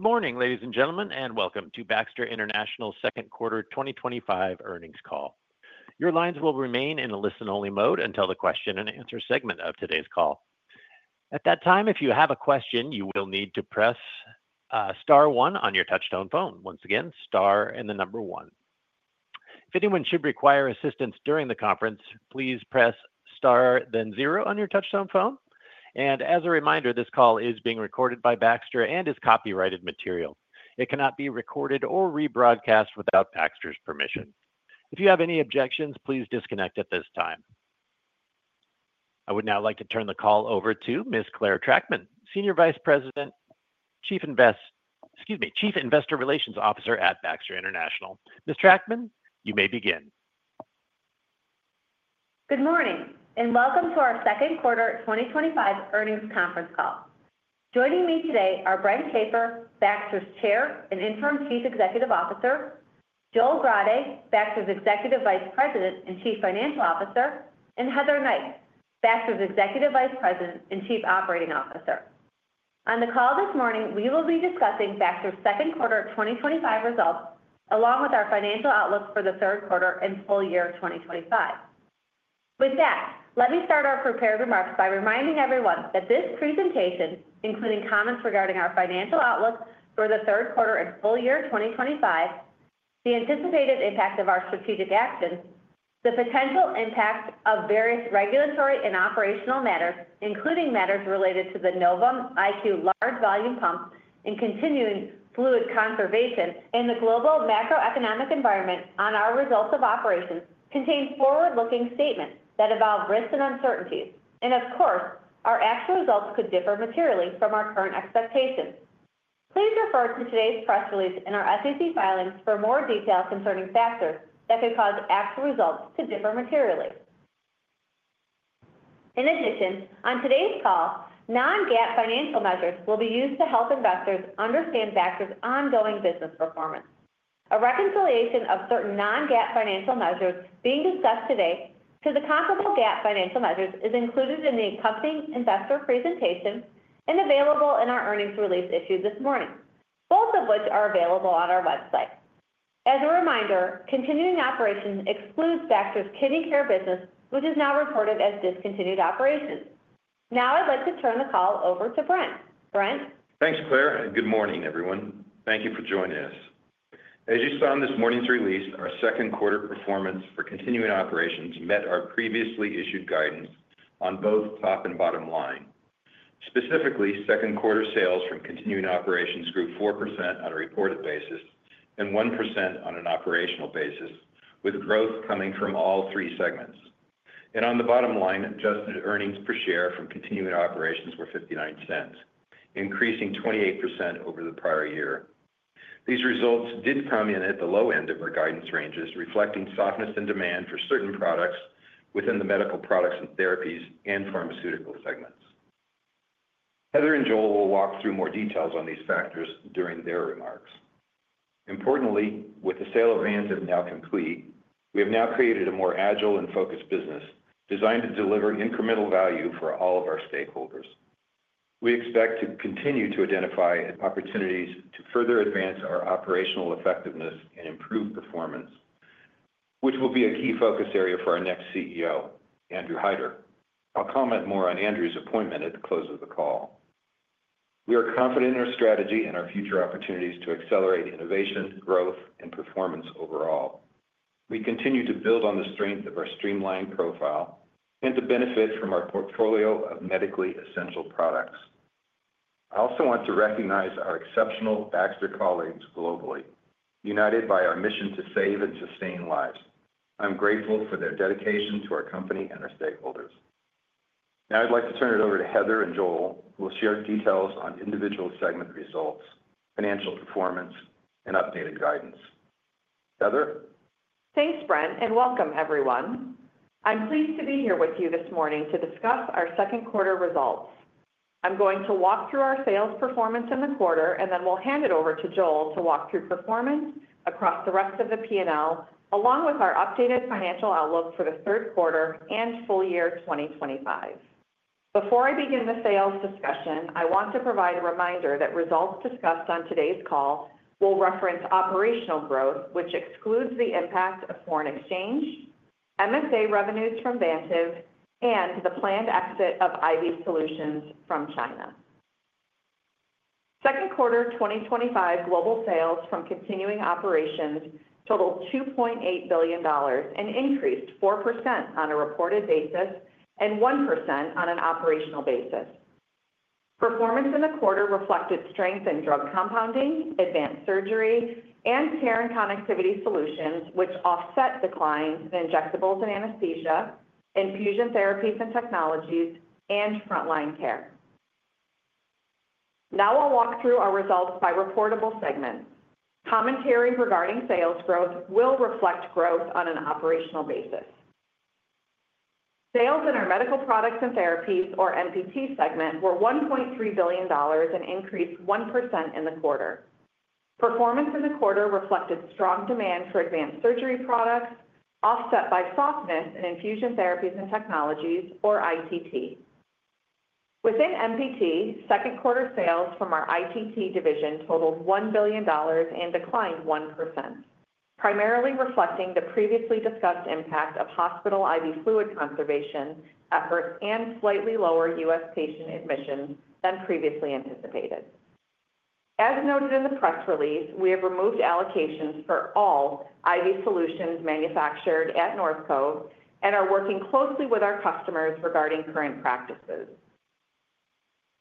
Good morning, ladies and gentlemen, and welcome to Baxter International second quarter 2025 earnings call. Your lines will remain in a listen-only mode until the question-and-answer segment of today's call. At that time, if you have a question, you will need to press star one on your touch-tone phone. Once again, star and the number one. If anyone should require assistance during the conference, please press star, then zero on your touch-tone phone. As a reminder, this call is being recorded by Baxter International and is copyrighted material. It cannot be recorded or rebroadcast without Baxter International permission. If you have any objections, please disconnect at this time. I would now like to turn the call over to Ms. Clare Trachtman, Senior Vice President, Chief Investor Relations Officer at Baxter International Inc. Ms. Trachtman, you may begin. Good morning and welcome to our second quarter 2025 earnings conference call. Joining me today are Brent Shafer, Baxter's Chair and Interim Chief Executive Officer; Joel Grade, Baxter's Executive Vice President and Chief Financial Officer; and Heather Knight, Baxter's Executive Vice President and Chief Operating Officer. On the call this morning, we will be discussing Baxter's second quarter 2025 results along with our financial outlook for the third quarter and full year 2025. With that, let me start our prepared remarks by reminding everyone that this presentation, including comments regarding our financial outlook for the third quarter and full year 2025, the anticipated impact of our strategic actions, the potential impact of various regulatory and operational matters, including matters related to the Novum IQ Large-Volume Infusion Pump and continuing IV Fluid Conservation in the global macroeconomic environment on our results of operations, contains forward-looking statements that involve risks and uncertainties. Our actual results could differ materially from our current expectations. Please refer to today's press release and our SEC filings for more detail concerning factors that could cause actual results to differ materially. In addition, on today's call, non-GAAP financial measures will be used to help investors understand Baxter's ongoing business performance. A reconciliation of certain non-GAAP financial measures being discussed today to the comparable GAAP financial measures is included in the accompanying investor presentation and available in our earnings release issued this morning, both of which are available on our website. As a reminder, continuing operations excludes Baxter's kidney care business, which is now reported as discontinued operations. Now I'd like to turn the call over to Brent. Brent. Thanks, Clare. Good morning, everyone. Thank you for joining us. As you saw in this morning's release, our second quarter performance for continuing operations met our previously issued guidance on both top and bottom line. Specifically, second quarter sales from continuing operations grew 4% on a reported basis and 1% on an operational basis, with growth coming from all three segments. On the bottom line, adjusted earnings per share from continuing operations were $0.59, increasing 28% over the prior year. These results did come in at the low end of our guidance ranges, reflecting softness in demand for certain products within the Medical Products & Therapies and Pharmaceuticals segments. Heather and Joel will walk through more details on these factors during their remarks. Importantly, with the sale of Vantiv now complete, we have now created a more agile and focused business designed to deliver incremental value for all of our stakeholders. We expect to continue to identify opportunities to further advance our operational effectiveness and improve performance, which will be a key focus area for our next CEO, Andrew Hyder. I'll comment more on Andrew's appointment at the close of the call. We are confident in our strategy and our future opportunities to accelerate innovation, growth, and performance overall. We continue to build on the strength of our streamlined profile and to benefit from our portfolio of medically essential products. I also want to recognize our exceptional Baxter colleagues globally, united by our mission to save and sustain lives. I'm grateful for their dedication to our company and our stakeholders. Now I'd like to turn it over to Heather and Joel, who will share details on individual segment results, financial performance, and updated guidance. Heather. Thanks, Brent, and welcome, everyone. I'm pleased to be here with you this morning to discuss our second quarter results. I'm going to walk through our sales performance in the quarter, and then we'll hand it over to Joel to walk through performance across the rest of the P&L, along with our updated financial outlook for the third quarter and full year 2025. Before I begin the sales discussion, I want to provide a reminder that results discussed on today's call will reference operational growth, which excludes the impact of foreign exchange, MSA revenues from Vantiv, and the planned exit of IV solutions from China. Second quarter 2025 global sales from continuing operations totaled $2.8 billion and increased 4% on a reported basis and 1% on an operational basis. Performance in the quarter reflected strength in drug compounding, Advanced Surgery products, and Care and Connectivity Solutions, which offset declines in injectables and anesthesia, infusion therapies and technologies, and frontline care. Now I'll walk through our results by reportable segments. Commentary regarding sales growth will reflect growth on an operational basis. Sales in our Medical Products & Therapies, or MPT segment, were $1.3 billion and increased 1% in the quarter. Performance in the quarter reflected strong demand for Advanced Surgery products, offset by softness in infusion therapies and technologies, or ITT. Within MPT, second quarter sales from our ITT division totaled $1 billion and declined 1%, primarily reflecting the previously discussed impact of hospital IV Fluid Conservation efforts and slightly lower U.S. patient admissions than previously anticipated. As noted in the press release, we have removed allocations for all IV solutions manufactured at North Cove and are working closely with our customers regarding current practices.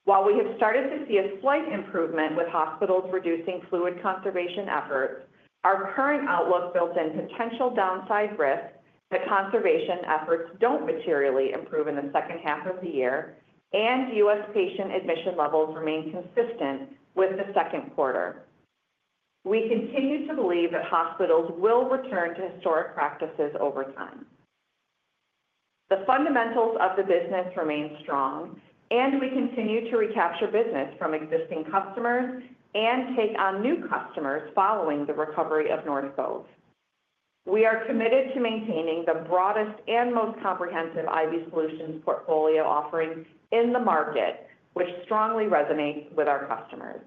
While we have started to see a slight improvement with hospitals reducing fluid conservation efforts, our current outlook built in potential downside risk that conservation efforts don't materially improve in the second half of the year and U.S. patient admission levels remain consistent with the second quarter. We continue to believe that hospitals will return to historic practices over time. The fundamentals of the business remain strong, and we continue to recapture business from existing customers and take on new customers following the recovery of North Cove. We are committed to maintaining the broadest and most comprehensive IV solutions portfolio offering in the market, which strongly resonates with our customers.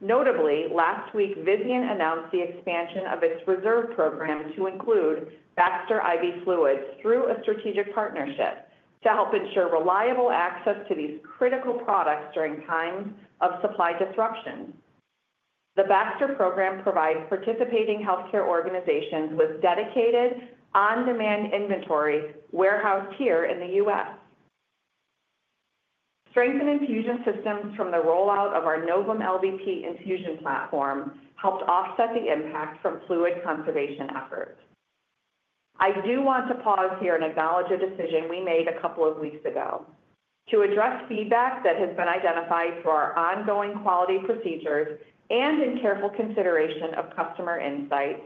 Notably, last week, Vizient announced the expansion of its reserve program to include Baxter IV fluids through a strategic partnership to help ensure reliable access to these critical products during times of supply disruption. The Baxter program provides participating healthcare organizations with dedicated on-demand inventory warehoused here in the U.S. Strength in infusion systems from the rollout of our Novum IQ Large Volume Infusion pump platform helped offset the impact from IV Fluid Conservation efforts. I do want to pause here and acknowledge a decision we made a couple of weeks ago. To address feedback that has been identified through our ongoing quality procedures and in careful consideration of customer insights,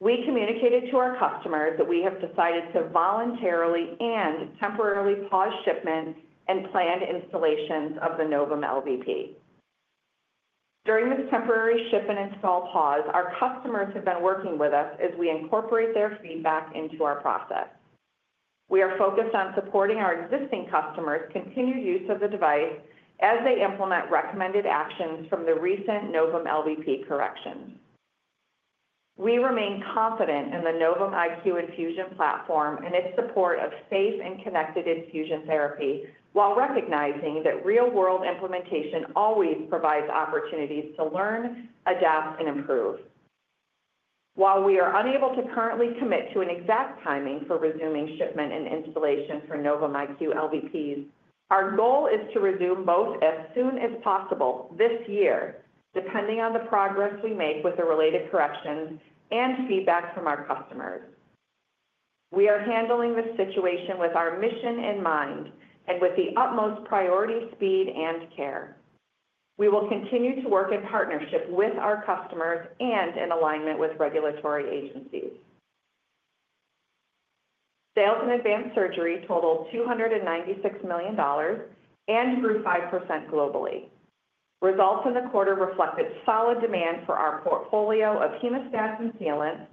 we communicated to our customers that we have decided to voluntarily and temporarily pause shipment and planned installations of the Novum LVP. During this temporary ship and install pause, our customers have been working with us as we incorporate their feedback into our process. We are focused on supporting our existing customers' continued use of the device as they implement recommended actions from the recent Novum IQ LVP corrections. We remain confident in the Novum IQ infusion platform and its support of safe and connected infusion therapy while recognizing that real-world implementation always provides opportunities to learn, adapt, and improve. While we are unable to currently commit to an exact timing for resuming shipment and installation for Novum IQ LVP, our goal is to resume both as soon as possible this year, depending on the progress we make with the related corrections and feedback from our customers. We are handling this situation with our mission in mind and with the utmost priority, speed, and care. We will continue to work in partnership with our customers and in alignment with regulatory agencies. Sales in Advanced Surgery products totaled $296 million and grew 5% globally. Results in the quarter reflected solid demand for our portfolio of hemostats and sealants,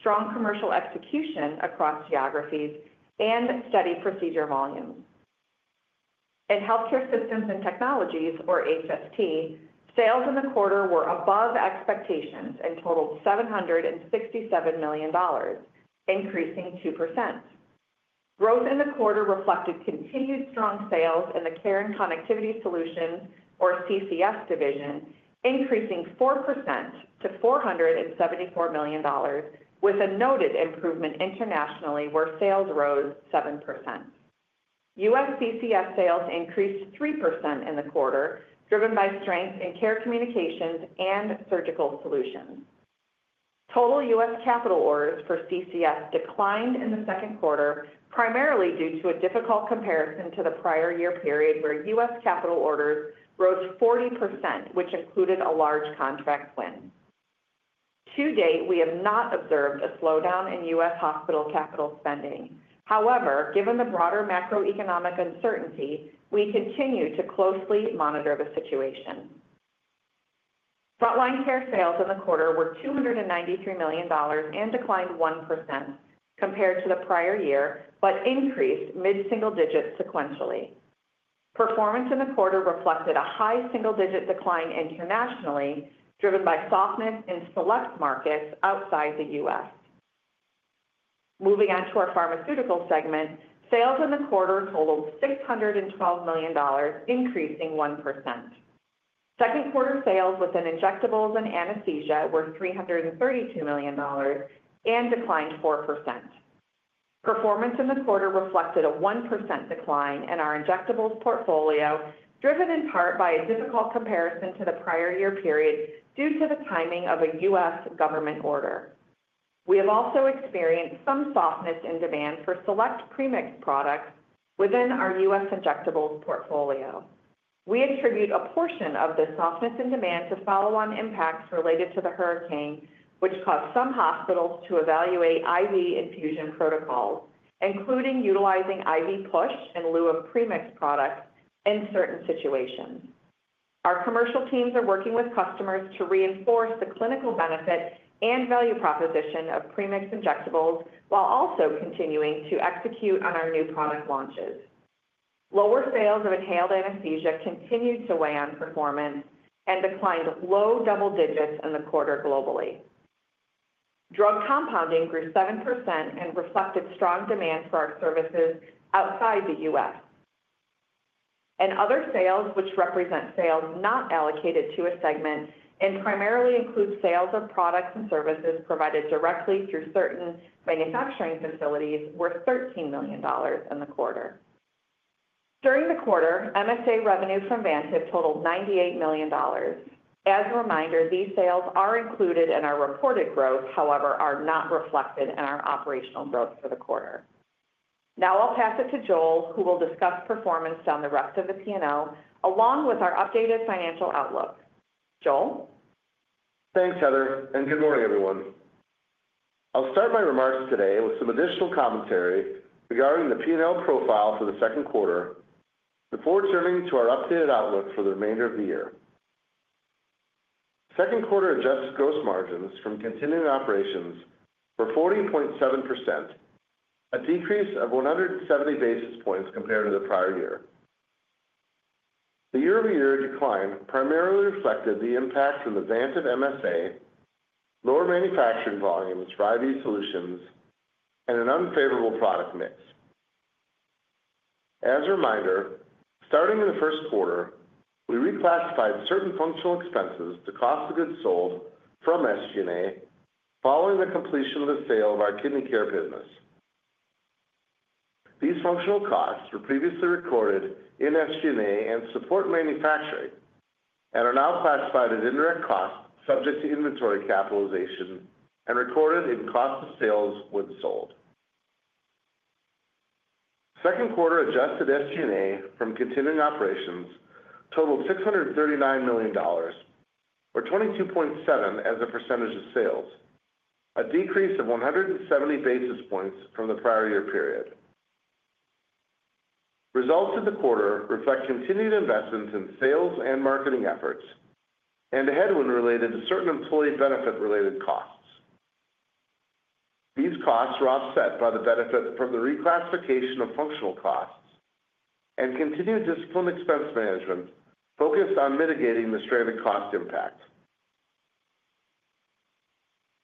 strong commercial execution across geographies, and steady procedure volumes. In Healthcare Systems & Technologies, or HST, sales in the quarter were above expectations and totaled $767 million, increasing 2%. Growth in the quarter reflected continued strong sales in the Care and Connectivity Solutions, or CCS division, increasing 4% to $474 million, with a noted improvement internationally where sales rose 7%. U.S. CCS sales increased 3% in the quarter, driven by strength in care communications and surgical solutions. Total U.S. capital orders for CCS declined in the second quarter, primarily due to a difficult comparison to the prior year period where U.S. capital orders rose 40%, which included a large contract win. To date, we have not observed a slowdown in U.S. hospital capital spending. However, given the broader macroeconomic uncertainty, we continue to closely monitor the situation. Frontline care sales in the quarter were $293 million and declined 1% compared to the prior year, but increased mid-single digits sequentially. Performance in the quarter reflected a high single-digit decline internationally, driven by softness in select markets outside the U.S. Moving on to our Pharmaceuticals segment, sales in the quarter totaled $612 million, increasing 1%. Second quarter sales within injectables and anesthesia were $332 million and declined 4%. Performance in the quarter reflected a 1% decline in our injectables portfolio, driven in part by a difficult comparison to the prior year period due to the timing of a U.S. government order. We have also experienced some softness in demand for select premixed products within our U.S. injectables portfolio. We attribute a portion of the softness in demand to follow-on impacts related to the hurricane, which caused some hospitals to evaluate IV infusion protocols, including utilizing IV push in lieu of premixed products in certain situations. Our commercial teams are working with customers to reinforce the clinical benefit and value proposition of premixed injectables while also continuing to execute on our new product launches. Lower sales of inhaled anesthesia continued to weigh on performance and declined low double digits in the quarter globally. Drug compounding grew 7% and reflected strong demand for our services outside the U.S. Other sales, which represent sales not allocated to a segment and primarily include sales of products and services provided directly through certain manufacturing facilities, were $13 million in the quarter. During the quarter, MSA revenue from Vantiv totaled $98 million. As a reminder, these sales are included in our reported growth, however, are not reflected in our operational growth for the quarter. Now I'll pass it to Joel, who will discuss performance on the rest of the P&L along with our updated financial outlook. Joel? Thanks, Heather. Good morning, everyone. I'll start my remarks today with some additional commentary regarding the P&L profile for the second quarter, before turning to our updated outlook for the remainder of the year. Second quarter adjusted gross margins from continuing operations were 40.7%, a decrease of 170 basis points compared to the prior year. The year-over-year decline primarily reflected the impact from the Vantiv MSA, lower manufacturing volumes for IV solutions, and an unfavorable product mix. As a reminder, starting in the first quarter, we reclassified certain functional expenses to cost of goods sold from SG&A following the completion of the sale of our kidney care business. These functional costs were previously recorded in SG&A and support manufacturing and are now classified as indirect costs subject to inventory capitalization and recorded in cost of sales when sold. Second quarter adjusted SG&A from continuing operations totaled $639 million, or 22.7% as a percentage of sales, a decrease of 170 basis points from the prior year period. Results of the quarter reflect continued investments in sales and marketing efforts and a headwind related to certain employee benefit-related costs. These costs were offset by the benefit from the reclassification of functional costs and continued disciplined expense management focused on mitigating the stranded cost impact.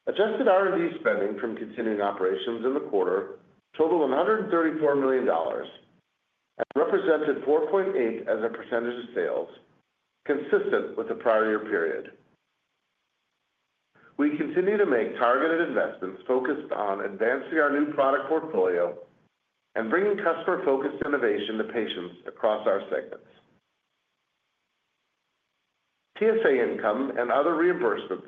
Adjusted R&D spending from continuing operations in the quarter totaled $134 million and represented 4.8% as a percentage of sales, consistent with the prior year period. We continue to make targeted investments focused on advancing our new product portfolio and bringing customer-focused innovation to patients across our segments. TSA income and other reimbursements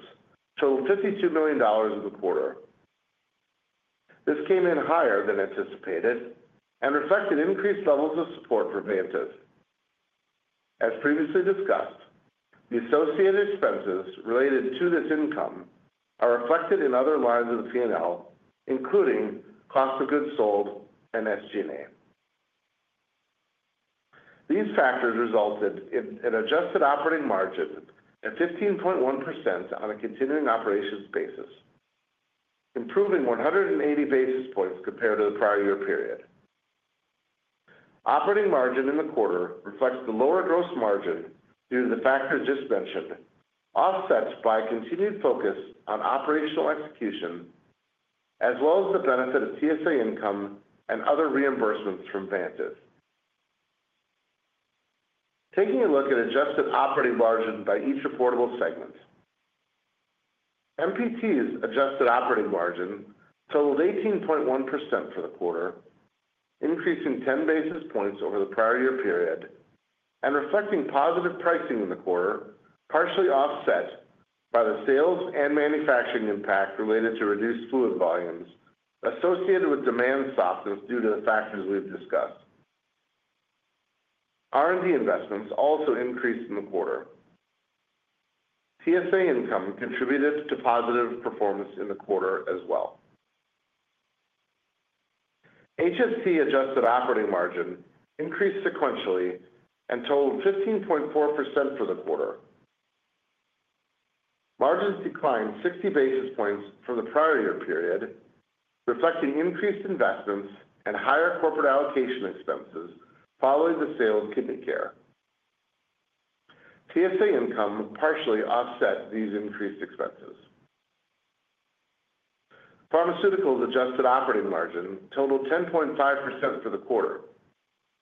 totaled $52 million for the quarter. This came in higher than anticipated and reflected increased levels of support for Vantiv. As previously discussed, the associated expenses related to this income are reflected in other lines of the P&L, including cost of goods sold and SG&A. These factors resulted in adjusted operating margin at 15.1% on a continuing operations basis, improving 180 basis points compared to the prior year period. Operating margin in the quarter reflects the lower gross margin due to the factors just mentioned, offset by continued focus on operational execution as well as the benefit of TSA income and other reimbursements from Vantiv. Taking a look at adjusted operating margin by each reportable segment. MPT's adjusted operating margin totaled 18.1% for the quarter, increasing 10 basis points over the prior year period and reflecting positive pricing in the quarter, partially offset by the sales and manufacturing impact related to reduced fluid volumes associated with demand softness due to the factors we've discussed. R&D investments also increased in the quarter. TSA income contributed to positive performance in the quarter as well. HST adjusted operating margin increased sequentially and totaled 15.4% for the quarter. Margins declined 60 basis points from the prior year period, reflecting increased investments and higher corporate allocation expenses following the sale of kidney care. TSA income partially offset these increased expenses. Pharmaceuticals' adjusted operating margin totaled 10.5% for the quarter,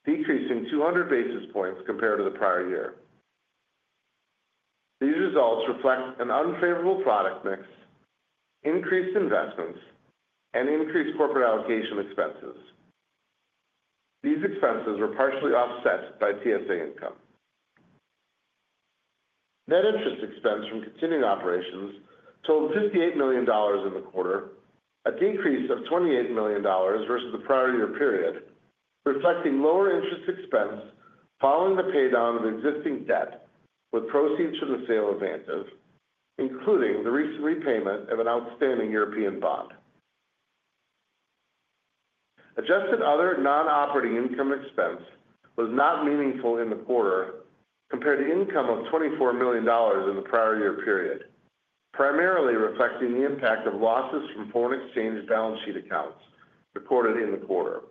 decreasing 200 basis points compared to the prior year. These results reflect an unfavorable product mix, increased investments, and increased corporate allocation expenses. These expenses were partially offset by TSA income. Net interest expense from continuing operations totaled $58 million in the quarter, a decrease of $28 million versus the prior year period, reflecting lower interest expense following the paydown of existing debt with proceeds from the sale of Vantiv, including the recent repayment of an outstanding European bond. Adjusted other non-operating income expense was not meaningful in the quarter compared to income of $24 million in the prior year period, primarily reflecting the impact of losses from foreign exchange balance sheet accounts recorded in the quarter.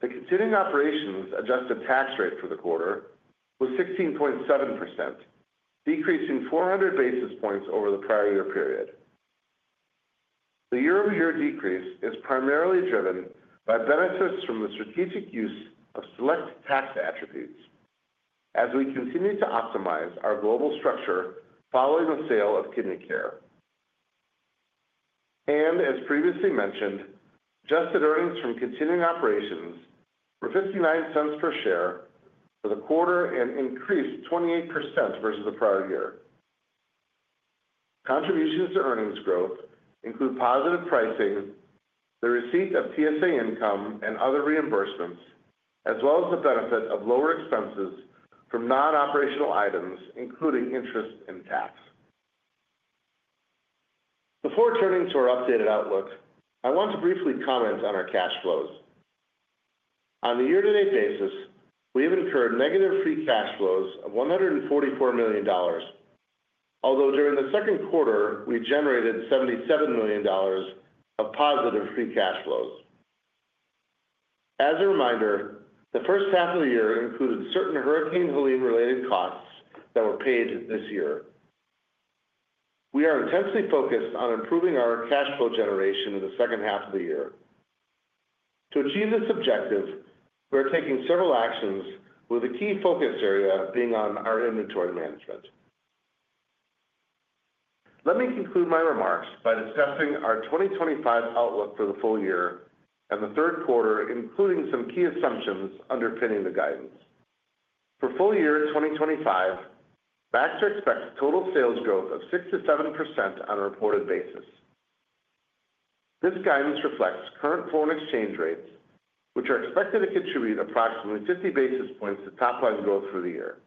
The continuing operations adjusted tax rate for the quarter was 16.7%, decreasing 400 basis points over the prior year period. The year-over-year decrease is primarily driven by benefits from the strategic use of select tax attributes as we continue to optimize our global structure following the sale of kidney care. As previously mentioned, adjusted earnings from continuing operations were $0.59 per share for the quarter and increased 28% versus the prior year. Contributions to earnings growth include positive pricing, the receipt of TSA income and other reimbursements, as well as the benefit of lower expenses from non-operational items, including interest and tax. Before turning to our updated outlook, I want to briefly comment on our cash flows. On a year-to-date basis, we have incurred negative free cash flows of $144 million, although during the second quarter, we generated $77 million of positive free cash flows. As a reminder, the first half of the year included certain hurricane-Helene-related costs that were paid this year. We are intensely focused on improving our cash flow generation in the second half of the year. To achieve this objective, we are taking several actions, with a key focus area being on our inventory management. Let me conclude my remarks by discussing our 2025 outlook for the full year and the third quarter, including some key assumptions underpinning the guidance. For full year 2025, Baxter expects total sales growth of 6% to 7% on a reported basis. This guidance reflects current foreign exchange rates, which are expected to contribute approximately 50 basis points to top-line growth for the year.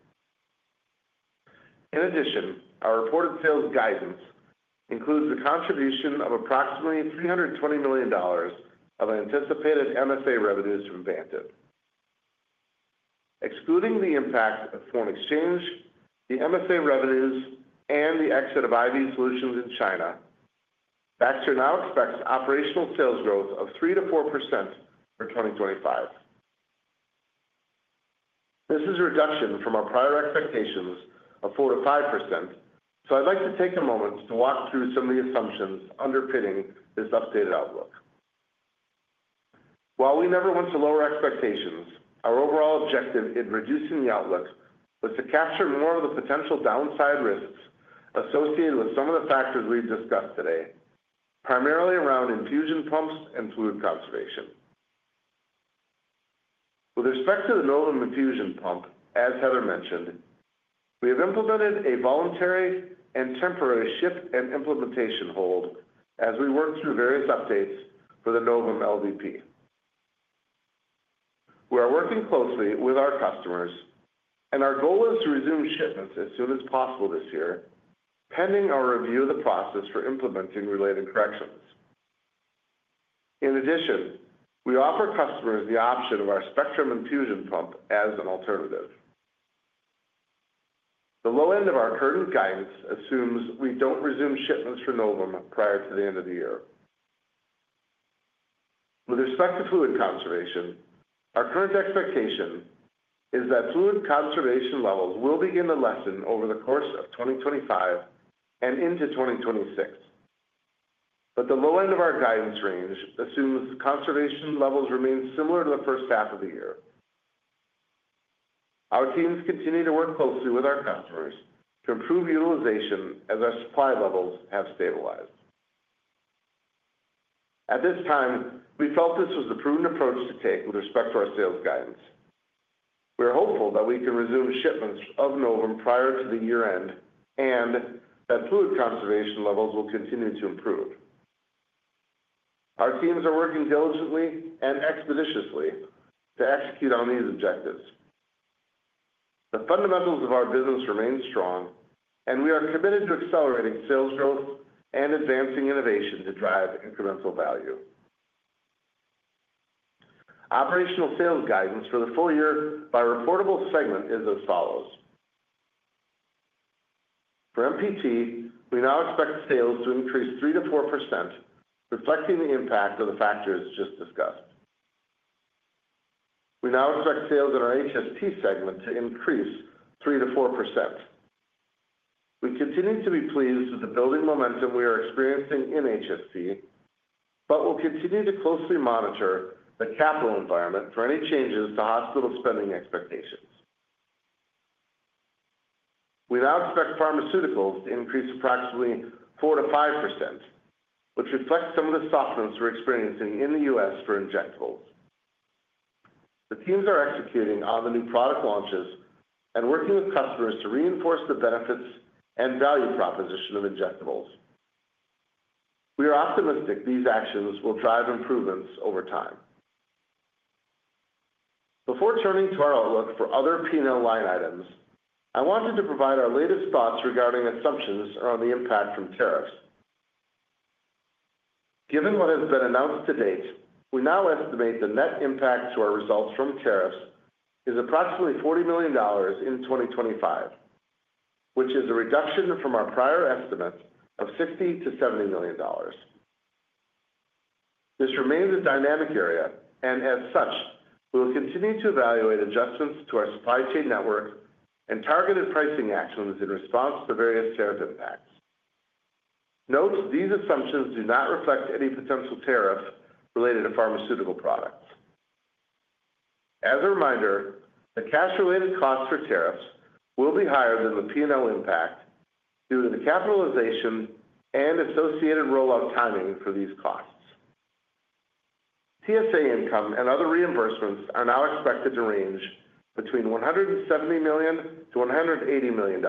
In addition, our reported sales guidance includes the contribution of approximately $320 million of anticipated MSA revenues from Vantiv. Excluding the impact of foreign exchange, the MSA revenues, and the exit of IV solutions in China, Baxter now expects operational sales growth of 3% to 4% for 2025. This is a reduction from our prior expectations of 4% to 5%, so I'd like to take a moment to walk through some of the assumptions underpinning this updated outlook. While we never want to lower expectations, our overall objective in reducing the outlook was to capture more of the potential downside risks associated with some of the factors we've discussed today, primarily around infusion pumps and fluid conservation. With respect to the Novum IQ infusion pump, as Heather mentioned, we have implemented a voluntary and temporary shift and implementation hold as we work through various updates for the Novum IQ LVP. We are working closely with our customers, and our goal is to resume shipments as soon as possible this year, pending our review of the process for implementing related corrections. In addition, we offer customers the option of our Spectrum infusion pump as an alternative. The low end of our current guidance assumes we don't resume shipments for Novum prior to the end of the year. With respect to fluid conservation, our current expectation is that fluid conservation levels will begin to lessen over the course of 2025 and into 2026. The low end of our guidance range assumes conservation levels remain similar to the first half of the year. Our teams continue to work closely with our customers to improve utilization as our supply levels have stabilized. At this time, we felt this was a prudent approach to take with respect to our sales guidance. We are hopeful that we can resume shipments of Novum prior to the year-end and that fluid conservation levels will continue to improve. Our teams are working diligently and expeditiously to execute on these objectives. The fundamentals of our business remain strong, and we are committed to accelerating sales growth and advancing innovation to drive incremental value. Operational sales guidance for the full year by reportable segment is as follows. For MPT, we now expect sales to increase 3% to 4%, reflecting the impact of the factors just discussed. We now expect sales in our HST segment to increase 3% to 4%. We continue to be pleased with the building momentum we are experiencing in HST, but we will continue to closely monitor the capital environment for any changes to hospital spending expectations. We now expect Pharmaceuticals to increase approximately 4% to 5%, which reflects some of the softness we're experiencing in the U.S. for injectables. The teams are executing on the new product launches and working with customers to reinforce the benefits and value proposition of injectables. We are optimistic these actions will drive improvements over time. Before turning to our outlook for other P&L line items, I wanted to provide our latest thoughts regarding assumptions around the impact from tariffs. Given what has been announced to date, we now estimate the net impact to our results from tariffs is approximately $40 million in 2025, which is a reduction from our prior estimate of $60 million to $70 million. This remains a dynamic area, and as such, we will continue to evaluate adjustments to our supply chain network and targeted pricing actions in response to various tariff impacts. Note these assumptions do not reflect any potential tariffs related to pharmaceutical products. As a reminder, the cash-related costs for tariffs will be higher than the P&L impact due to the capitalization and associated rollout timing for these costs. TSA income and other reimbursements are now expected to range between $170 million to $180 million.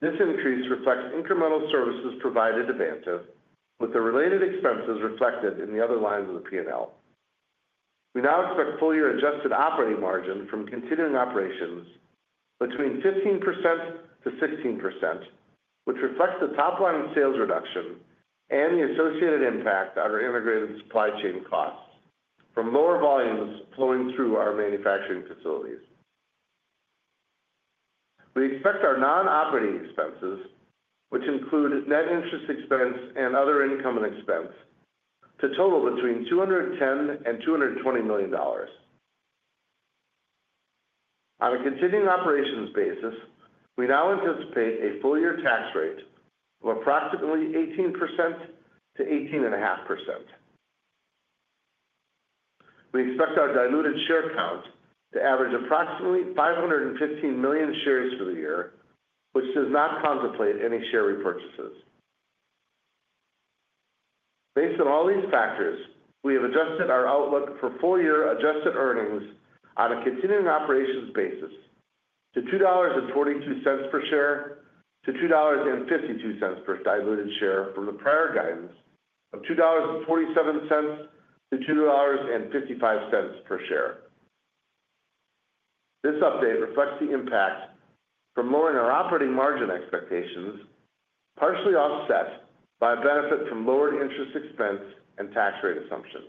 This increase reflects incremental services provided to Vantiv, with the related expenses reflected in the other lines of the P&L. We now expect full-year adjusted operating margin from continuing operations between 15% to 16%, which reflects the top-line sales reduction and the associated impact on our integrated supply chain costs from lower volumes flowing through our manufacturing facilities. We expect our non-operating expenses, which include net interest expense and other income and expense, to total between $210 million and $220 million. On a continuing operations basis, we now anticipate a full-year tax rate of approximately 18% to 18.5%. We expect our diluted share count to average approximately 515 million shares for the year, which does not contemplate any share repurchases. Based on all these factors, we have adjusted our outlook for full-year adjusted earnings on a continuing operations basis to $2.42 per share to $2.52 per diluted share from the prior guidance of $2.47 to $2.55 per share. This update reflects the impact from lowering our operating margin expectations, partially offset by a benefit from lowered interest expense and tax rate assumptions.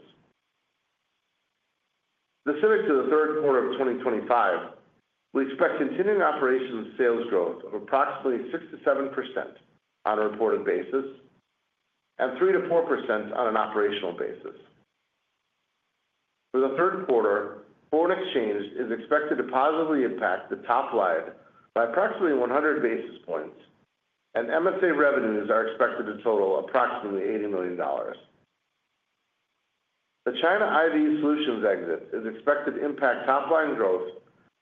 Specific to the third quarter of 2025, we expect continuing operations sales growth of approximately 6% to 7% on a reported basis and 3% to 4% on an operational basis. For the third quarter, foreign exchange is expected to positively impact the top line by approximately 100 basis points, and MSA revenues are expected to total approximately $80 million. The China IV solutions exit is expected to impact top-line growth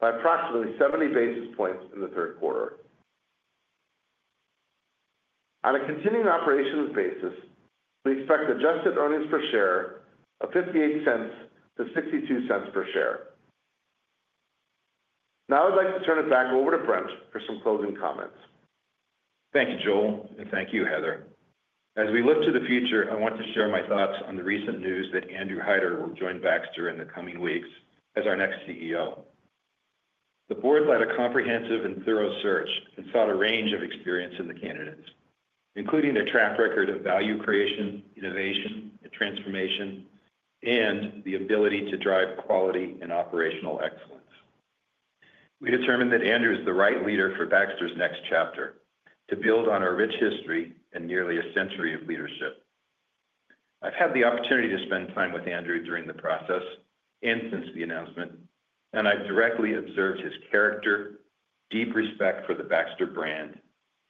by approximately 70 basis points in the third quarter. On a continuing operations basis, we expect adjusted earnings per share of $0.58 to $0.62 per share. Now I'd like to turn it back over to Brent for some closing comments. Thank you, Joel, and thank you, Heather. As we look to the future, I want to share my thoughts on the recent news that Andrew Hyder will join Baxter in the coming weeks as our next CEO. The board led a comprehensive and thorough search and sought a range of experience in the candidates, including their track record of value creation, innovation, and transformation, and the ability to drive quality and operational excellence. We determined that Andrew is the right leader for Baxter's next chapter to build on our rich history and nearly a century of leadership. I've had the opportunity to spend time with Andrew during the process. Since the announcement, I've directly observed his character, deep respect for the Baxter brand,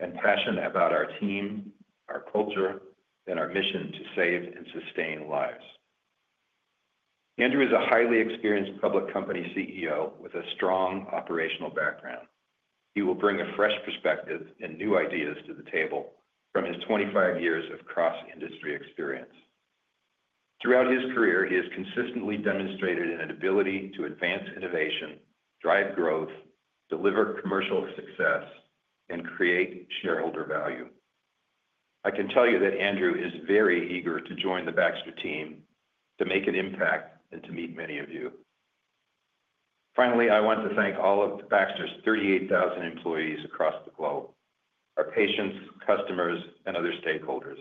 and passion about our team, our culture, and our mission to save and sustain lives. Andrew is a highly experienced public company CEO with a strong operational background. He will bring a fresh perspective and new ideas to the table from his 25 years of cross-industry experience. Throughout his career, he has consistently demonstrated an ability to advance innovation, drive growth, deliver commercial success, and create shareholder value. I can tell you that Andrew is very eager to join the Baxter team to make an impact and to meet many of you. Finally, I want to thank all of Baxter's 38,000 employees across the globe, our patients, customers, and other stakeholders.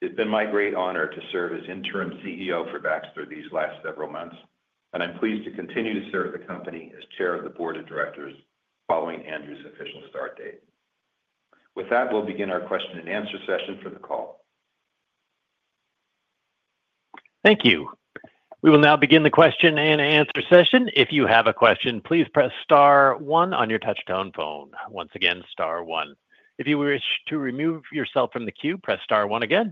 It's been my great honor to serve as Interim CEO for Baxter these last several months, and I'm pleased to continue to serve the company as Chair of the Board of Directors following Andrew's official start date. With that, we'll begin our question and answer session for the call. Thank you. We will now begin the question and answer session. If you have a question, please press star one on your touch-tone phone. Once again, star one. If you wish to remove yourself from the queue, press star one again.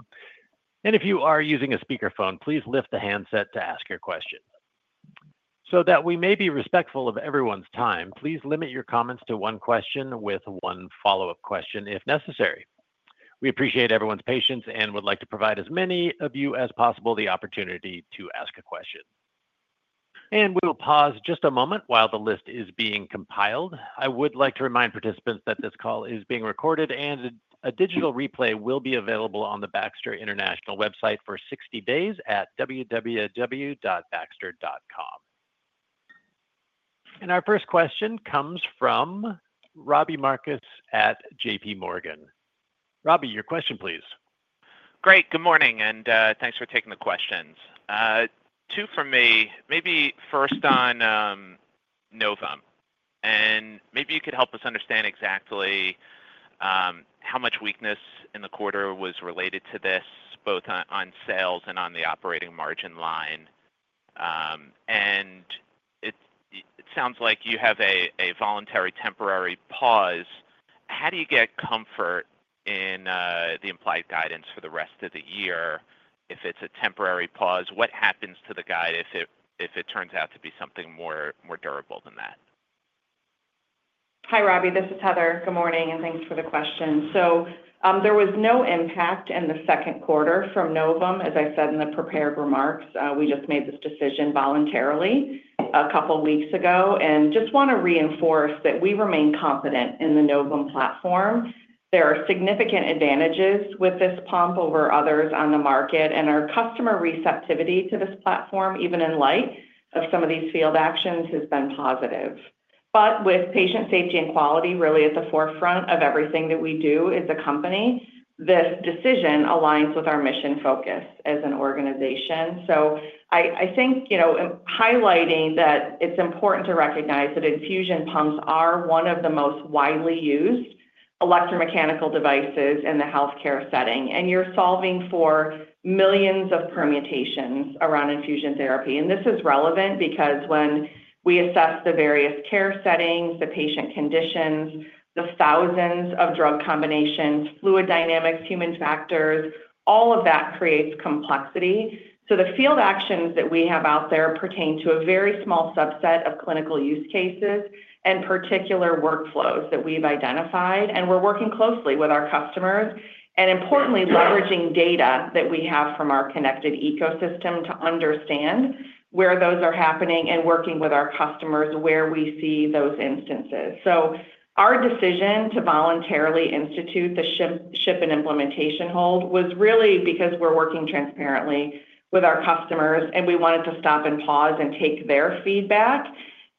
If you are using a speakerphone, please lift the handset to ask your question. So that we may be respectful of everyone's time, please limit your comments to one question with one follow-up question if necessary. We appreciate everyone's patience and would like to provide as many of you as possible the opportunity to ask a question. We will pause just a moment while the list is being compiled. I would like to remind participants that this call is being recorded, and a digital replay will be available on the Baxter International website for 60 days at www.baxter.com. Our first question comes from Robert Marcus at J.P. Morgan. Robert, your question, please. Great. Good morning, and thanks for taking the questions. Two for me. Maybe first on Novum. Maybe you could help us understand exactly how much weakness in the quarter was related to this, both on sales and on the operating margin line. It sounds like you have a voluntary temporary pause. How do you get comfort in the implied guidance for the rest of the year if it's a temporary pause? What happens to the guide if it turns out to be something more durable than that? Hi, Robbie. This is Heather. Good morning, and thanks for the question. There was no impact in the second quarter from Novum, as I said in the prepared remarks. We just made this decision voluntarily a couple of weeks ago, and I want to reinforce that we remain confident in the Novum platform. There are significant advantages with this pump over others on the market, and our customer receptivity to this platform, even in light of some of these field actions, has been positive. With patient safety and quality really at the forefront of everything that we do as a company, this decision aligns with our mission focus as an organization. I think it's important to recognize that infusion pumps are one of the most widely used electromechanical devices in the healthcare setting, and you're solving for millions of permutations around infusion therapy. This is relevant because when we assess the various care settings, the patient conditions, the thousands of drug combinations, fluid dynamics, human factors, all of that creates complexity. The field actions that we have out there pertain to a very small subset of clinical use cases and particular workflows that we've identified, and we're working closely with our customers and, importantly, leveraging data that we have from our connected ecosystem to understand where those are happening and working with our customers where we see those instances. Our decision to voluntarily institute the ship and implementation hold was really because we're working transparently with our customers, and we wanted to stop and pause and take their feedback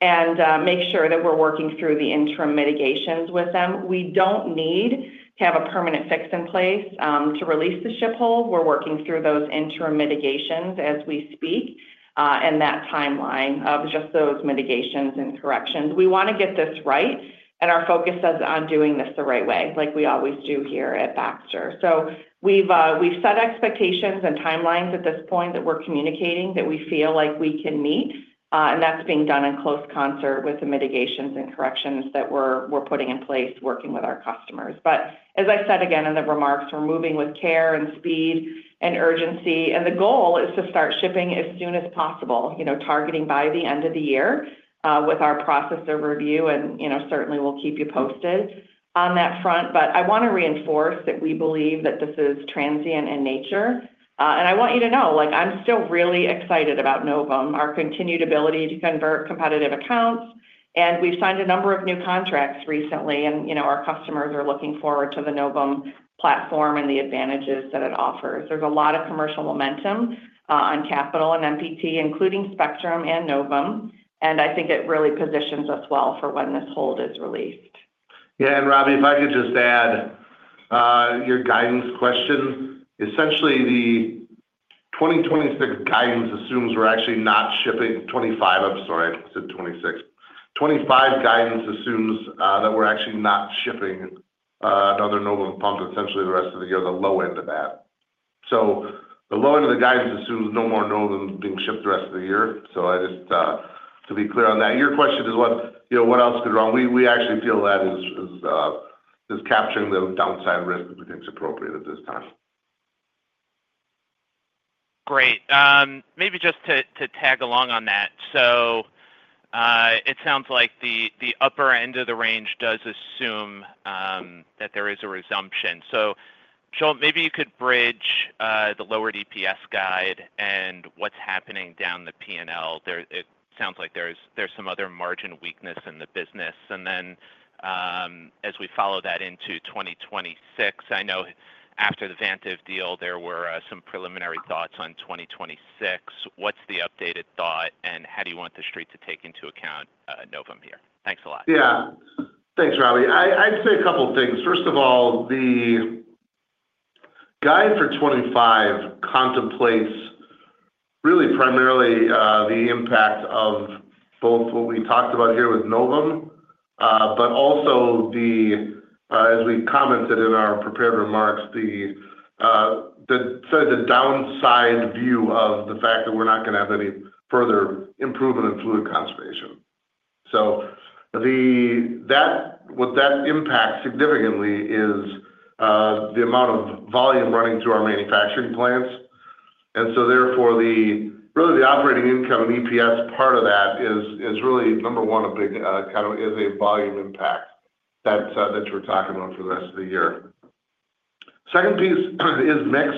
and make sure that we're working through the interim mitigations with them. We don't need to have a permanent fix in place to release the ship hold. We're working through those interim mitigations as we speak, and that timeline of just those mitigations and corrections. We want to get this right, and our focus is on doing this the right way, like we always do here at Baxter. We've set expectations and timelines at this point that we're communicating that we feel like we can meet, and that's being done in close concert with the mitigations and corrections that we're putting in place, working with our customers. As I said again in the remarks, we're moving with care and speed and urgency, and the goal is to start shipping as soon as possible, targeting by the end of the year with our process overview, and certainly we'll keep you posted on that front. I want to reinforce that we believe that this is transient in nature, and I want you to know I'm still really excited about Novum, our continued ability to convert competitive accounts, and we've signed a number of new contracts recently. Our customers are looking forward to the Novum platform and the advantages that it offers. There's a lot of commercial momentum on capital and MPT, including Spectrum and Novum, and I think it really positions us well for when this hold is released. Yeah. Robert, if I could just add, your guidance question. The 2025 guidance assumes we're actually not shipping—I'm sorry, I said 2026. 2025 guidance assumes that we're actually not shipping another Novum pump, essentially the rest of the year, the low end of that. The low end of the guidance assumes no more Novums being shipped the rest of the year. I just, to be clear on that, your question is what else could run? We actually feel that is capturing the downside risk that we think is appropriate at this time. Great. Maybe just to tag along on that. It sounds like the upper end of the range does assume that there is a resumption. Joel, maybe you could bridge the lower EPS guide and what's happening down the P&L. It sounds like there's some other margin weakness in the business. As we follow that into 2026, I know after the Vantiv deal, there were some preliminary thoughts on 2026. What's the updated thought, and how do you want the street to take into account Novum here? Thanks a lot. Yeah. Thanks, Robert. I'd say a couple of things. First of all, the guide for 2025 contemplates really primarily the impact of both what we talked about here with Novum, but also, as we commented in our prepared remarks, the sort of the downside view of the fact that we're not going to have any further improvement in IV Fluid Conservation. What that impacts significantly is the amount of volume running through our manufacturing plants, and so therefore, really the operating income EPS part of that is really, number one, a big kind of is a volume impact that you're talking about for the rest of the year. Second piece is mix.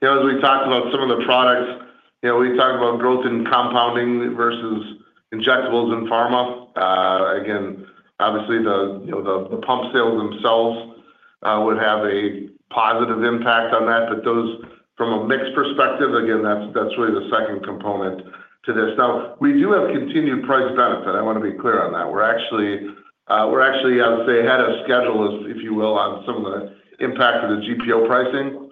As we talked about some of the products, we talked about growth in compounding versus injectables and pharma. Obviously, the pump sales themselves would have a positive impact on that, but from a mix perspective, that's really the second component to this. We do have continued price benefit. I want to be clear on that. We're actually, I would say, ahead of schedule, if you will, on some of the impact of the GPO pricing.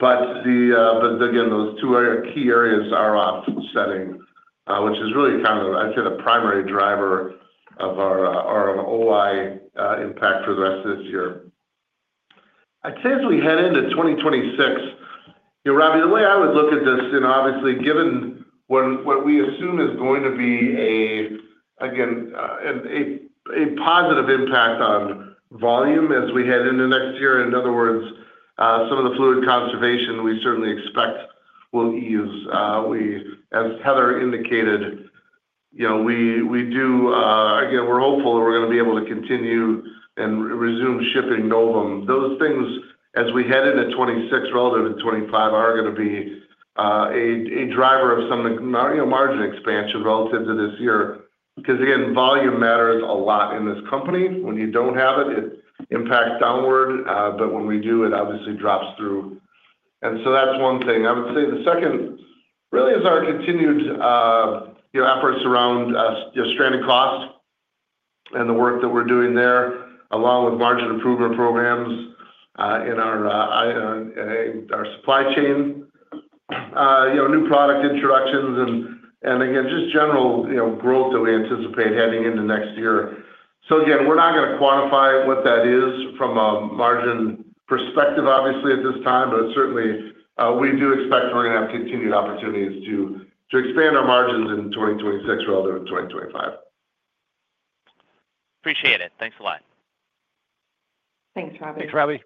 Again, those two key areas are offsetting, which is really kind of, I'd say, the primary driver of our OI impact for the rest of this year. I'd say as we head into 2026, Robbie, the way I would look at this, obviously, given what we assume is going to be, again, a positive impact on volume as we head into next year. In other words, some of the fluid conservation we certainly expect will ease, as Heather indicated. We do, again, we're hopeful that we're going to be able to continue and resume shipping Novum. Those things, as we head into 2026 relative to 2025, are going to be a driver of some margin expansion relative to this year. Because again, volume matters a lot in this company. When you don't have it, it impacts downward, but when we do, it obviously drops through. That's one thing. I would say the second really is our continued efforts around stranded cost and the work that we're doing there, along with margin improvement programs in our supply chain, new product introductions, and again, just general growth that we anticipate heading into next year. We're not going to quantify what that is from a margin perspective, obviously, at this time, but certainly, we do expect we're going to have continued opportunities to expand our margins in 2026 relative to 2025. Appreciate it. Thanks a lot. Thanks, Robert. Thanks, Robert.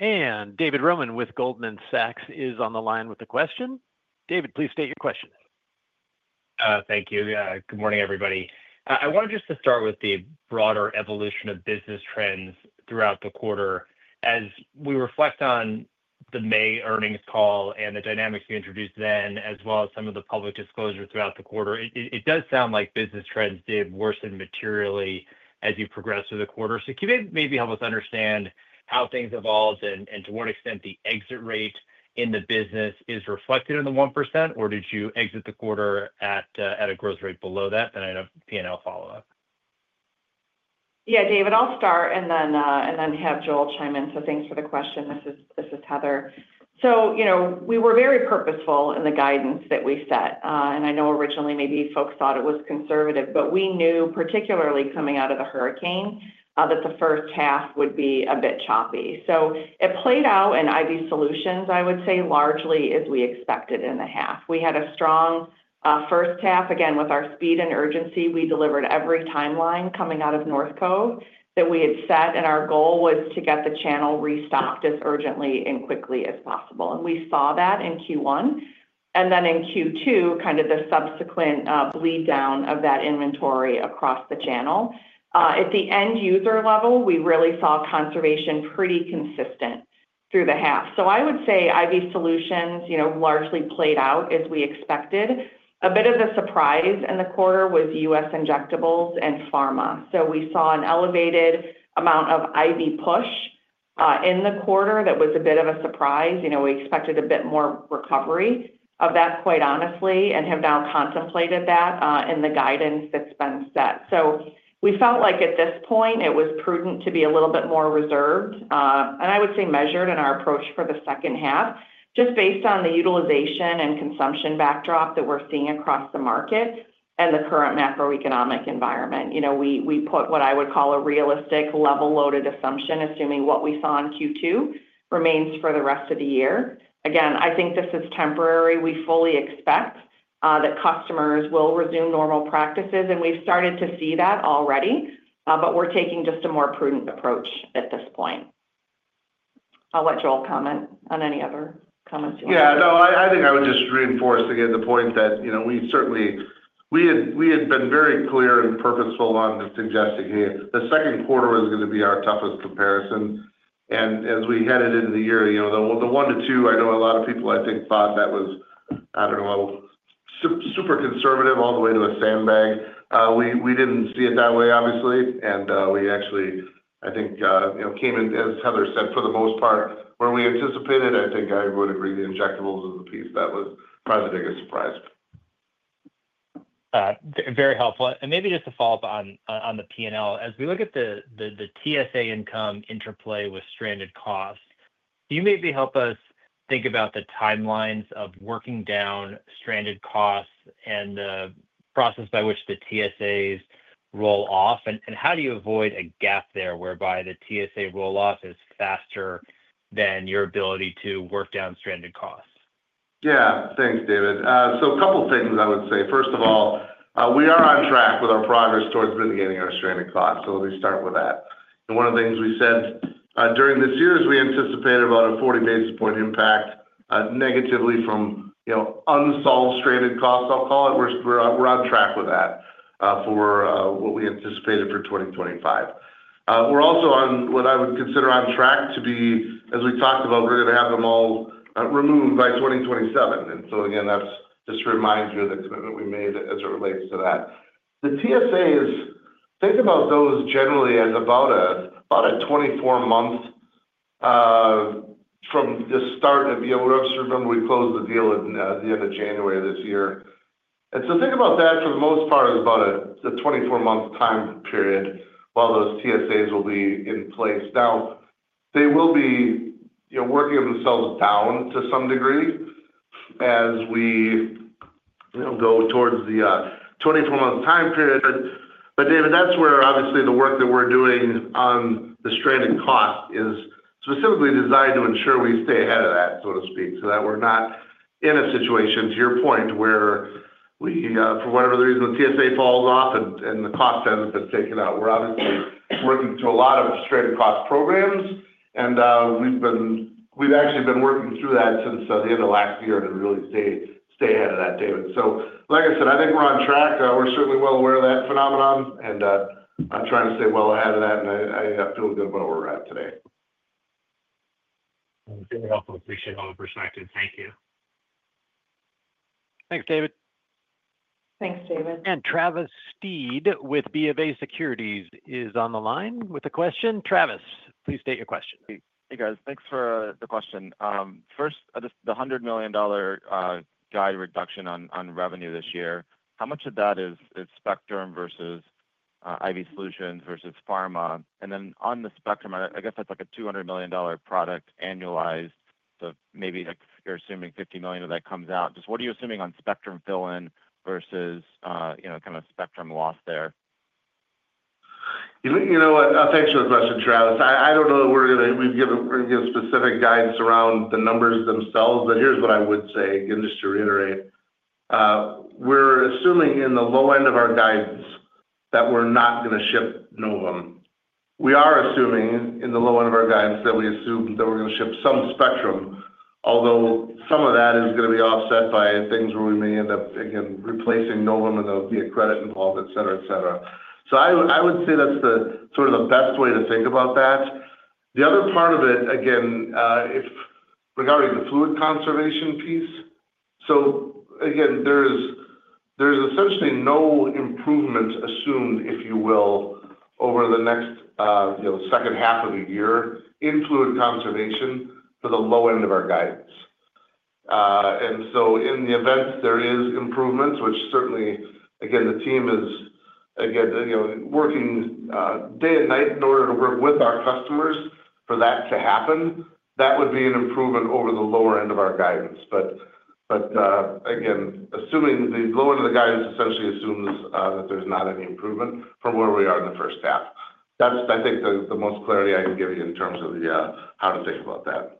And David Roman with Goldman Sachs is on the line with a question. David, please state your question. Thank you. Good morning, everybody. I wanted just to start with the broader evolution of business trends throughout the quarter. As we reflect on the May earnings call and the dynamics we introduced then, as well as some of the public disclosure throughout the quarter, it does sound like business trends did worsen materially as you progressed through the quarter. Can you maybe help us understand how things evolved and to what extent the exit rate in the business is reflected in the 1%, or did you exit the quarter at a growth rate below that? I have P&L follow-up. Yeah, David, I'll start and then have Joel chime in. Thanks for the question. This is Heather. We were very purposeful in the guidance that we set. I know originally maybe folks thought it was conservative, but we knew, particularly coming out of the hurricane, that the first half would be a bit choppy. It played out in IV Solutions, I would say, largely as we expected in the half. We had a strong first half. With our speed and urgency, we delivered every timeline coming out of North Cove that we had set, and our goal was to get the channel restocked as urgently and quickly as possible. We saw that in Q1, and then in Q2, the subsequent bleed down of that inventory across the channel. At the end user level, we really saw conservation pretty consistent through the half. I would say IV Solutions largely played out as we expected. A bit of a surprise in the quarter was U.S. injectables and pharma. We saw an elevated amount of IV push in the quarter that was a bit of a surprise. We expected a bit more recovery of that, quite honestly, and have now contemplated that in the guidance that's been set. We felt like at this point, it was prudent to be a little bit more reserved, and I would say measured in our approach for the second half, just based on the utilization and consumption backdrop that we're seeing across the market and the current macroeconomic environment. We put what I would call a realistic level loaded assumption, assuming what we saw in Q2 remains for the rest of the year. I think this is temporary. We fully expect that customers will resume normal practices, and we've started to see that already, but we're taking just a more prudent approach at this point. I'll let Joel comment on any other comments you want to make. Yeah. I think I would just reinforce, again, the point that we certainly had been very clear and purposeful on suggesting, "Hey, the second quarter is going to be our toughest comparison." As we headed into the year, the one to two, I know a lot of people, I think, thought that was, I don't know, super conservative all the way to a sandbag. We didn't see it that way, obviously. We actually, I think, came in, as Heather said, for the most part, where we anticipated. I think I would agree the injectables is the piece that was probably the biggest surprise. Very helpful. Maybe just a follow-up on the P&L. As we look at the TSA income interplay with stranded costs, you maybe help us think about the timelines of working down stranded costs and the process by which the TSAs roll off. How do you avoid a gap there whereby the TSA roll-off is faster than your ability to work down stranded costs? Yeah. Thanks, David. A couple of things I would say. First of all, we are on track with our progress towards mitigating our stranded costs. Let me start with that. One of the things we said during this year is we anticipated about a 40 basis point impact negatively from unsolved stranded costs, I'll call it. We're on track with that for what we anticipated for 2025. We're also on what I would consider on track to be, as we talked about, we're going to have them all removed by 2027. That's just to remind you of the commitment we made as it relates to that. The TSAs, think about those generally as about a 24-month period. Remember we closed the deal at the end of January this year. Think about that for the most part as about a 24-month time period while those TSAs will be in place. They will be working themselves down to some degree as we go towards the 24-month time period. David, that's where obviously the work that we're doing on the stranded cost is specifically designed to ensure we stay ahead of that, so to speak, so that we're not in a situation, to your point, where for whatever the reason, the TSA falls off and the cost hasn't been taken out. We're obviously working through a lot of stranded cost programs, and we've actually been working through that since the end of last year to really stay ahead of that, David. Like I said, I think we're on track. We're certainly well aware of that phenomenon, and I'm trying to stay well ahead of that, and I feel good about where we're at today. Very helpful. Appreciate all the perspective. Thank you. Thanks, David. Thanks, David. Travis Steed with BofA Securities is on the line with a question. Travis, please state your question. Hey, guys. Thanks for the question. First, the $100 million guide reduction on revenue this year, how much of that is Spectrum versus IV Solutions versus pharma? On the Spectrum, I guess that's like a $200 million product annualized. Maybe you're assuming $50 million of that comes out. What are you assuming on Spectrum fill-in versus kind of Spectrum loss there? You know what? Thanks for the question, Travis. I don't know that we're going to give specific guidance around the numbers themselves, but here's what I would say, just to reiterate. We're assuming in the low end of our guidance that we're not going to ship Novum. We are assuming in the low end of our guidance that we assume that we're going to ship some Spectrum, although some of that is going to be offset by things where we may end up, again, replacing Novum and there'll be a credit involved, etc. I would say that's sort of the best way to think about that. The other part of it, again, regarding the fluid conservation piece, essentially no improvement is assumed, if you will, over the next second half of the year in fluid conservation for the low end of our guidance. In the event there are improvements, which certainly, again, the team is working day and night in order to work with our customers for that to happen, that would be an improvement over the lower end of our guidance. Again, assuming the lower end of the guidance essentially assumes that there's not any improvement from where we are in the first half. That's, I think, the most clarity I can give you in terms of how to think about that.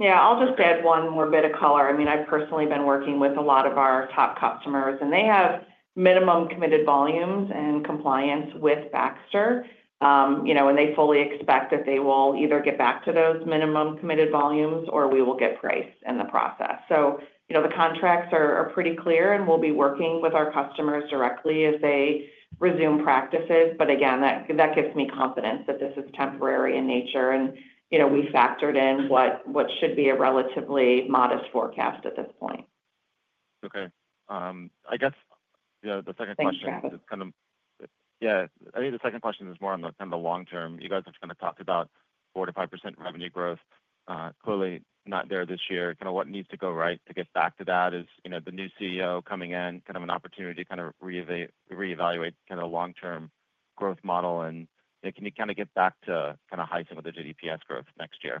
I'll just add one more bit of color. I've personally been working with a lot of our top customers, and they have minimum committed volumes and compliance with Baxter. They fully expect that they will either get back to those minimum committed volumes or we will get priced in the process. The contracts are pretty clear, and we'll be working with our customers directly as they resume practices. That gives me confidence that this is temporary in nature, and we factored in what should be a relatively modest forecast at this point. I guess the second question is more on the long term. You guys have talked about 4 to 5% revenue growth, clearly not there this year. What needs to go right to get back to that? Is the new CEO coming in kind of an opportunity to reevaluate the long-term growth model? Can you get back to hiking with the GDP's growth next year?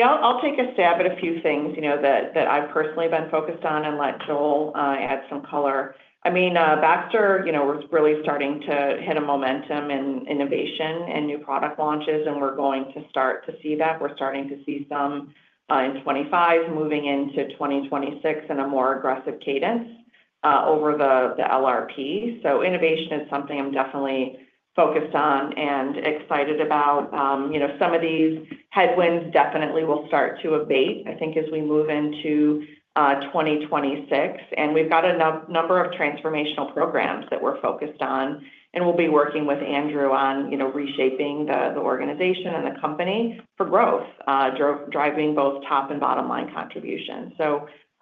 I'll take a stab at a few things that I've personally been focused on and let Joel add some color. Baxter was really starting to hit a momentum in innovation and new product launches, and we're going to start to see that. We're starting to see some in 2025, moving into 2026 in a more aggressive cadence over the LRP. Innovation is something I'm definitely focused on and excited about. Some of these headwinds definitely will start to abate, I think, as we move into. 2026. We've got a number of transformational programs that we're focused on, and we'll be working with Andrew on reshaping the organization and the company for growth, driving both top and bottom line contributions.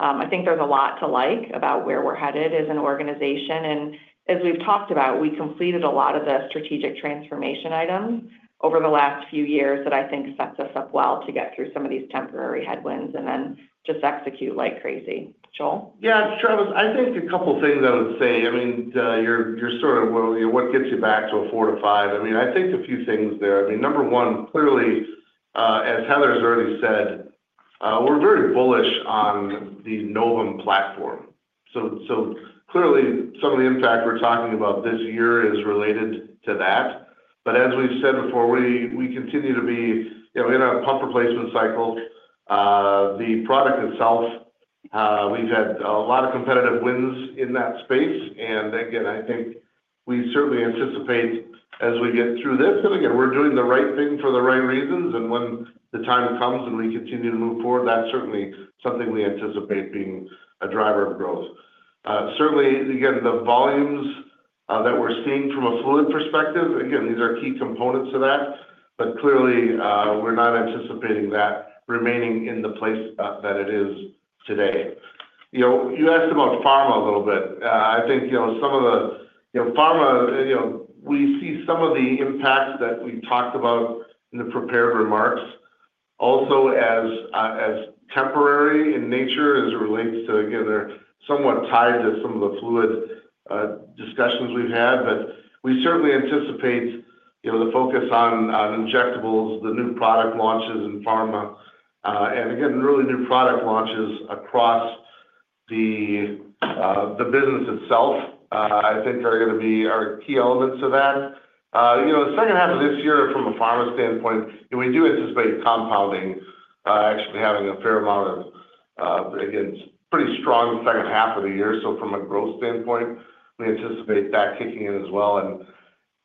I think there's a lot to like about where we're headed as an organization. As we've talked about, we completed a lot of the strategic transformation items over the last few years that I think sets us up well to get through some of these temporary headwinds and then just execute like crazy. Joel? Yeah. Travis, I think a couple of things I would say. You're sort of, well, what gets you back to a 4 to 5? I think a few things there. Number one, clearly, as Heather's already said, we're very bullish on the Novum platform. Clearly, some of the impact we're talking about this year is related to that. As we've said before, we continue to be in a pump replacement cycle. The product itself, we've had a lot of competitive wins in that space. I think we certainly anticipate as we get through this, and we're doing the right thing for the right reasons. When the time comes and we continue to move forward, that's certainly something we anticipate being a driver of growth. Certainly, the volumes that we're seeing from a fluid perspective, these are key components of that. Clearly, we're not anticipating that remaining in the place that it is today. You asked about pharma a little bit. I think some of the pharma, we see some of the impacts that we talked about in the prepared remarks also as temporary in nature as it relates to, again, they're somewhat tied to some of the fluid discussions we've had. We certainly anticipate the focus on injectables, the new product launches in pharma, and really new product launches across the business itself, I think, are going to be our key elements of that. The second half of this year, from a pharma standpoint, we do anticipate compounding actually having a fair amount of pretty strong second half of the year. From a growth standpoint, we anticipate that kicking in as well.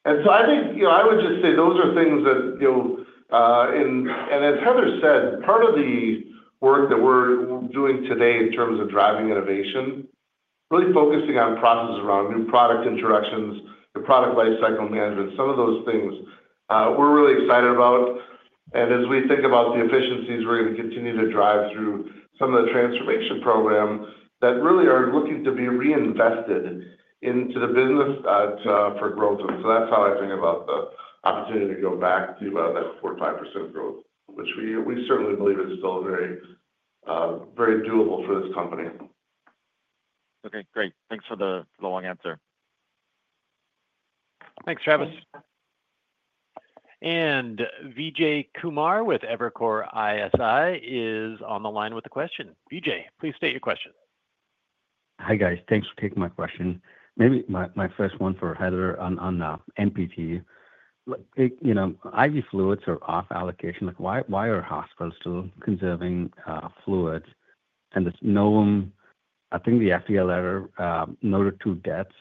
I think I would just say those are things that, as Heather said, part of the work that we're doing today in terms of driving innovation, really focusing on processes around new product introductions, the product lifecycle management, some of those things we're really excited about. As we think about the efficiencies, we're going to continue to drive through some of the transformation programs that really are looking to be reinvested into the business for growth. That's how I think about the opportunity to go back to that 4% to 5% growth, which we certainly believe is still very doable for this company. Great. Thanks for the long answer. Thanks, Travis. Vijay Kumar with Evercore ISI is on the line with a question. Vijay, please state your question. Hi, guys. Thanks for taking my question. Maybe my first one for Heather on MPT. IV fluids are off allocation. Why are hospitals still conserving fluids? Novum, I think the FDA letter noted two deaths.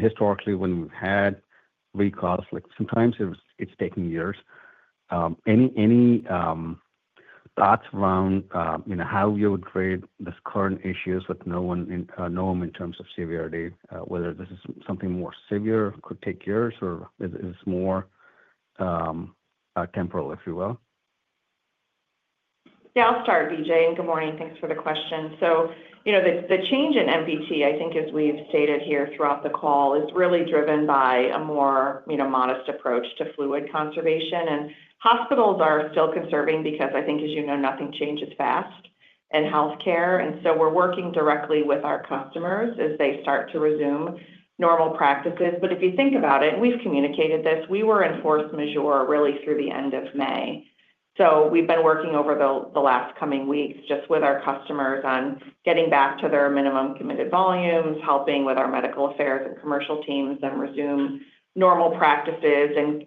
Historically, when we've had recalls, sometimes it's taken years. Any thoughts around how you would grade this current issue with Novum in terms of severity, whether this is something more severe, could take years, or is this more temporal, if you will? Yeah. I'll start, Vijay. Good morning. Thanks for the question. The change in MPT, as we've stated here throughout the call, is really driven by a more modest approach to fluid conservation. Hospitals are still conserving because, as you know, nothing changes fast in healthcare. We're working directly with our customers as they start to resume normal practices. If you think about it, and we've communicated this, we were in force majeure really through the end of May. We've been working over the last coming weeks with our customers on getting back to their minimum committed volumes, helping with our medical affairs and commercial teams to resume normal practices, and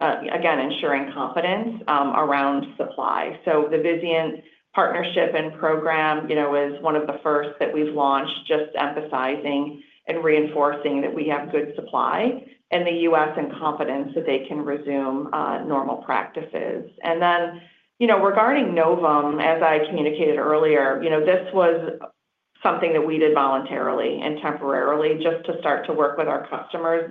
ensuring confidence around supply. The Vizient Partnership and Program was one of the first that we've launched, just emphasizing and reinforcing that we have good supply in the U.S. and confidence that they can resume normal practices. Regarding Novum, as I communicated earlier, this was something that we did voluntarily and temporarily just to start to work with our customers.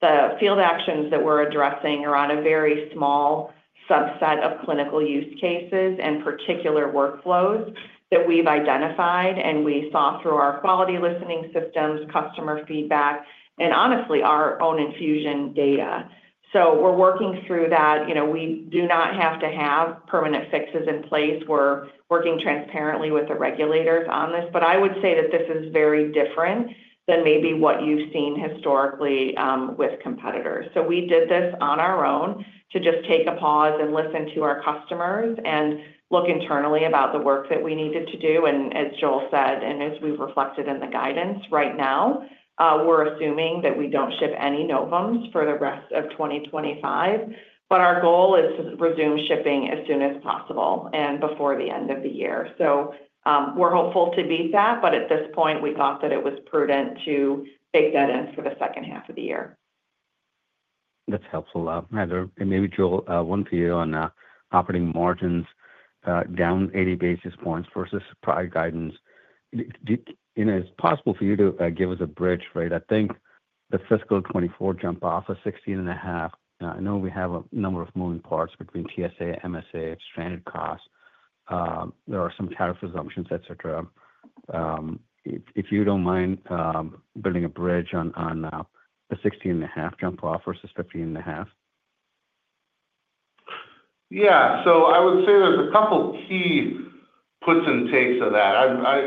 The field actions that we're addressing are on a very small subset of clinical use cases and particular workflows that we've identified, and we saw through our quality listening systems, customer feedback, and honestly, our own infusion data. We're working through that. We do not have to have permanent fixes in place. We're working transparently with the regulators on this. I would say that this is very different than maybe what you've seen historically with competitors. We did this on our own to just take a pause and listen to our customers and look internally at the work that we needed to do. As Joel said, and as we've reflected in the guidance, right now we're assuming that we don't ship any Novum IQ Large Volume infusion Pumps for the rest of 2025. Our goal is to resume shipping as soon as possible and before the end of the year. We're hopeful to beat that. At this point, we thought that it was prudent to take that in for the second half of the year. That's helpful. Heather, and maybe Joel, one for you on operating margins down 80 basis points versus prior guidance. Is it possible for you to give us a bridge? I think the fiscal 2024 jump-off is 16.5%. I know we have a number of moving parts between TSA, MSA, expanded costs. There are some tariff assumptions, etc. If you don't mind building a bridge on the 16.5% jump-off versus 15.5%? Yeah. I would say there's a couple of key puts and takes of that.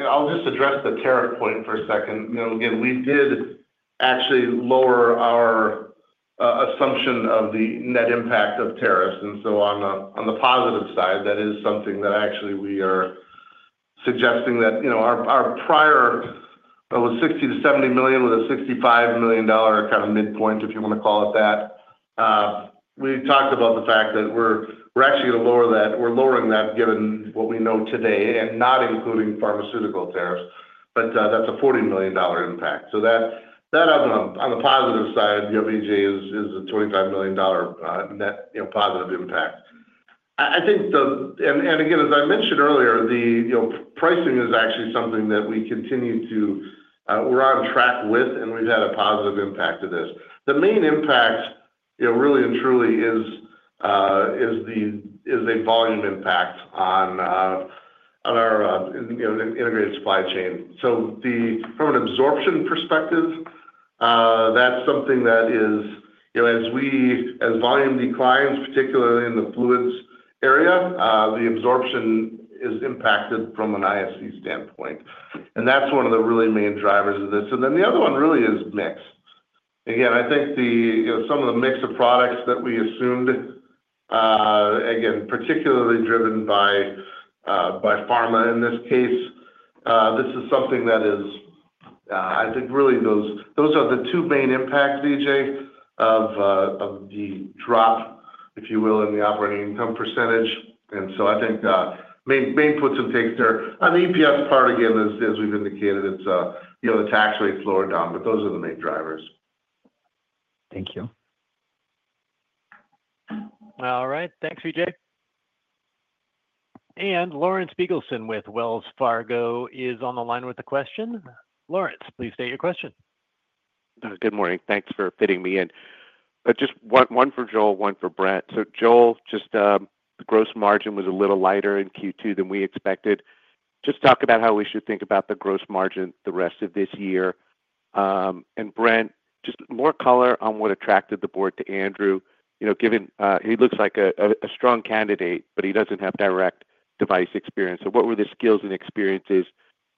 I'll just address the tariff point for a second. Again, we did actually lower our assumption of the net impact of tariffs. On the positive side, that is something that actually we are suggesting that our prior was $60 million to $70 million with a $65 million kind of midpoint, if you want to call it that. We talked about the fact that we're actually going to lower that. We're lowering that given what we know today and not including pharmaceutical tariffs. That's a $40 million impact. On the positive side, Vijay, that is a $25 million net positive impact. Again, as I mentioned earlier, the pricing is actually something that we continue to be on track with, and we've had a positive impact to this. The main impact, really and truly, is a volume impact on our integrated supply chain. From an absorption perspective, that's something that is, as volume declines, particularly in the fluids area, the absorption is impacted from an ISC standpoint. That's one of the really main drivers of this. The other one really is mix. I think some of the mix of products that we assumed, again, particularly driven by Pharmaceuticals in this case, this is something that is, I think, really those are the two main impacts, Vijay, of the drop, if you will, in the operating income percentage. I think main puts and takes there. On the EPS part, again, as we've indicated, it's the tax rate slowed down, but those are the main drivers. Thank you. All right. Thanks, Vijay. And Lawrence Biegelsen with Wells Fargo is on the line with a question. Lawrence, please state your question. Good morning. Thanks for fitting me in. Just one for Joel, one for Brent. So Joel, just the gross margin was a little lighter in Q2 than we expected. Just talk about how we should think about the gross margin the rest of this year. And Brent, just more color on what attracted the board to Andrew, given he looks like a strong candidate, but he doesn't have direct device experience. What were the skills and experiences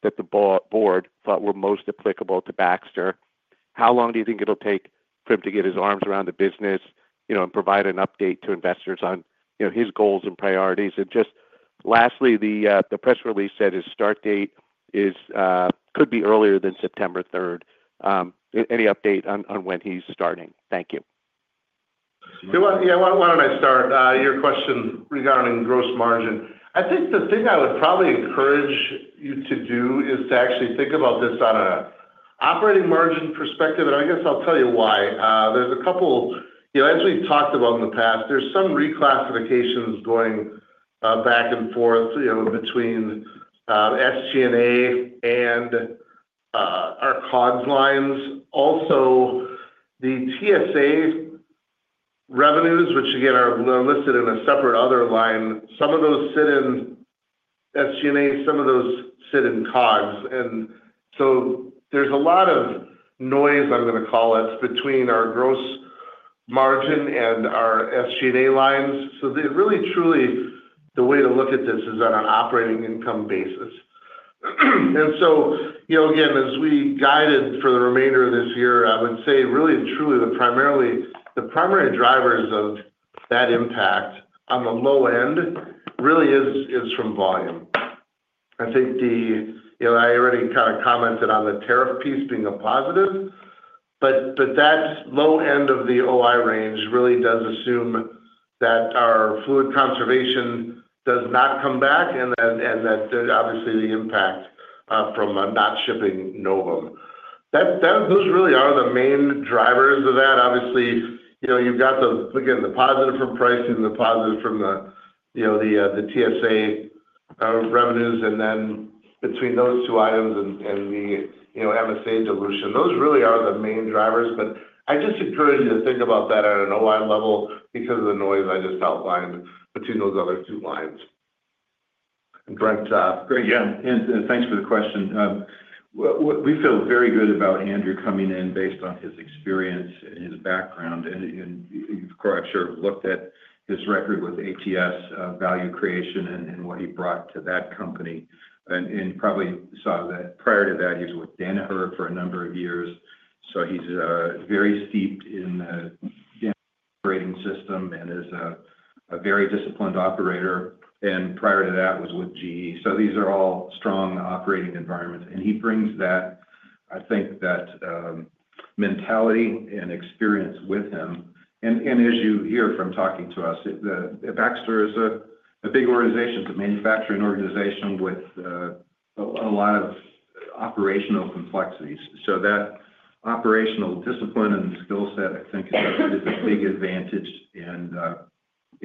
that the board thought were most applicable to Baxter? How long do you think it'll take for him to get his arms around the business and provide an update to investors on his goals and priorities? Just lastly, the press release said his start date could be earlier than September 3. Any update on when he's starting? Thank you. Yeah. Why don't I start? Your question regarding gross margin. I think the thing I would probably encourage you to do is to actually think about this on an operating margin perspective. I guess I'll tell you why. There's a couple of, as we've talked about in the past, there's some reclassifications going back and forth between SG&A and our COGS lines. Also, the TSA revenues, which again are listed in a separate other line, some of those sit in SG&A, some of those sit in COGS. There's a lot of noise, I'm going to call it, between our gross margin and our SG&A lines. Really, truly, the way to look at this is on an operating income basis. Again, as we guided for the remainder of this year, I would say really and truly the primary drivers of that impact on the low end really is from volume. I think I already kind of commented on the tariff piece being a positive. That low end of the OI range really does assume that our fluid conservation does not come back and that obviously the impact from not shipping Novum. Those really are the main drivers of that. Obviously, you've got the, again, the positive from pricing, the positive from the TSA revenues, and then between those two items and the MSA dilution, those really are the main drivers. I just encourage you to think about that at an OI level because of the noise I just outlined between those other two lines. And Brent. Great. Yeah. And thanks for the question. We feel very good about Andrew coming in based on his experience and his background. You've probably looked at his record with ATS, value creation, and what he brought to that company. You probably saw that prior to that, he was with Danaher for a number of years. He's very steeped in the operating system and is a very disciplined operator. Prior to that, he was with GE. These are all strong operating environments. He brings that mentality and experience with him. As you hear from talking to us, Baxter is a big organization. It's a manufacturing organization with a lot of operational complexities. That operational discipline and skill set, I think, is a big advantage.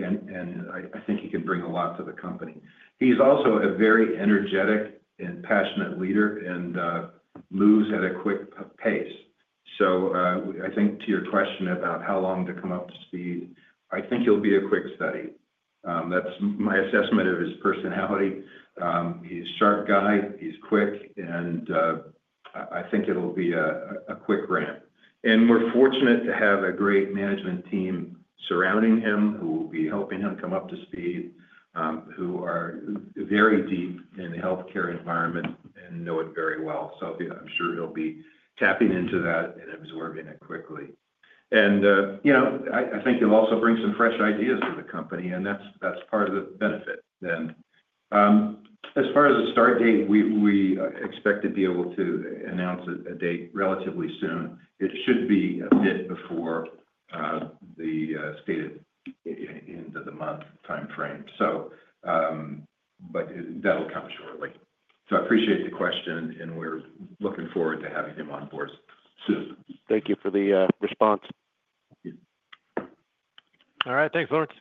I think he can bring a lot to the company. He's also a very energetic and passionate leader and moves at a quick pace. To your question about how long to come up to speed, I think he'll be a quick study. That's my assessment of his personality. He's a sharp guy. He's quick. I think it'll be a quick ramp. We're fortunate to have a great management team surrounding him who will be helping him come up to speed, who are very deep in the healthcare environment and know it very well. I'm sure he'll be tapping into that and absorbing it quickly. I think he'll also bring some fresh ideas to the company. That's part of the benefit. As far as the start date, we expect to be able to announce a date relatively soon. It should be a bit before the stated end of the month timeframe. That'll come shortly. I appreciate the question, and we're looking forward to having him on board soon. Thank you for the response. All right. Thanks, Lawrence.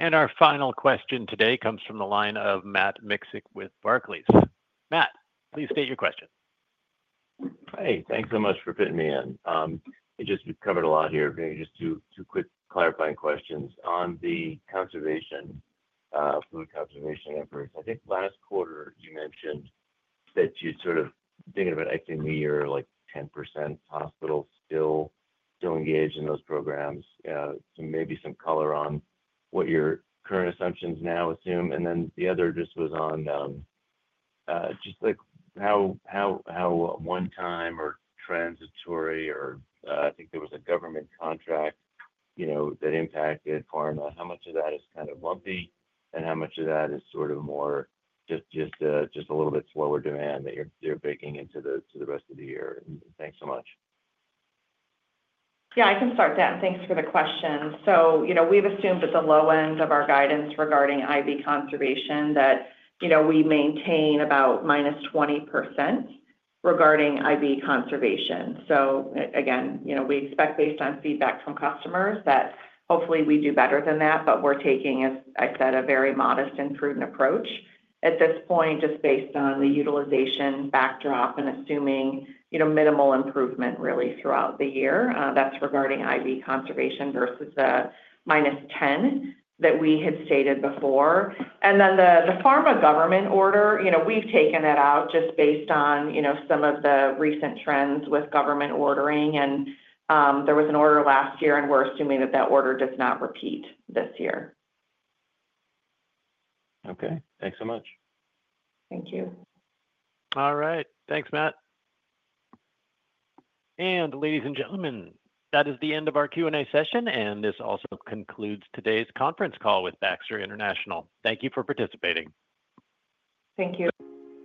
Our final question today comes from the line of Matt Miksic with Barclays. Matt, please state your question. Hey, thanks so much for fitting me in. You just covered a lot here. Just two quick clarifying questions on the fluid conservation efforts. I think last quarter, you mentioned that you'd sort of think of it, I think, a year like 10% hospitals still engaged in those programs. Maybe some color on what your current assumptions now assume. The other just was on just how one-time or transitory or I think there was a government contract that impacted pharma. How much of that is kind of lumpy and how much of that is sort of more just a little bit slower demand that you're baking into the rest of the year? Thanks so much. Yeah. I can start that. Thank you for the question. We've assumed at the low end of our guidance regarding IV Fluid Conservation that we maintain about -20% regarding IV Fluid Conservation. We expect, based on feedback from customers, that hopefully we do better than that, but we're taking a very modest and prudent approach at this point, just based on the utilization backdrop and assuming minimal improvement throughout the year. That's regarding IV Fluid Conservation versus the -10% that we had stated before. The pharma government order, we've taken it out just based on some of the recent trends with government ordering. There was an order last year, and we're assuming that order does not repeat this year. Thank you so much. Thank you. All right. Thank you, Matt. Ladies and gentlemen, that is the end of our Q&A session, and this also concludes today's conference call with Baxter International. Thank you for participating. Thank you.